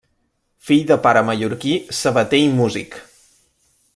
Fill de pare mallorquí sabater i músic.